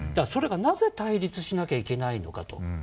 それがなぜ対立しなきゃいけないのかと。